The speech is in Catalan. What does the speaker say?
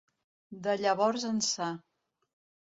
De llavors ençà.